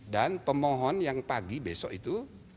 dan pemohon yang pagi besok itu